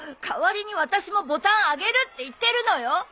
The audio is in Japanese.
代わりに私もボタンあげるって言ってるのよ？